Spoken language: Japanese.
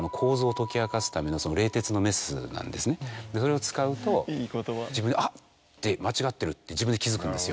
それを使うと自分で「あっ間違ってる」って自分で気付くんですよ。